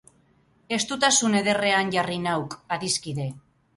Estutasun ederrean jarri nauk, adiskide!